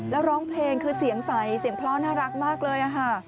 แล้วร้องเพลงคือเสียงใสเสียงเพราะน่ารักมากเลย